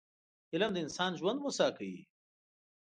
علم د انسان ژوند هوسا کوي